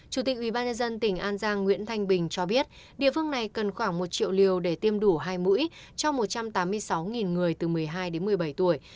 chủ tịch ubnd tỉnh an giang nguyễn thanh bình cho biết địa phương này cần khoảng một triệu liều để tiêm đủ hai mũi cho một trăm tám mươi sáu người từ một mươi hai đến một mươi bảy tuổi